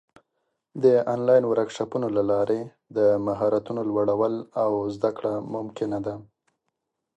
د آنلاین ورکشاپونو له لارې د مهارتونو لوړول او زده کړه ممکنه ده.